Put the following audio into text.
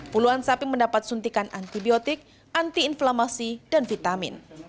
puluhan sapi mendapat suntikan antibiotik anti inflamasi dan vitamin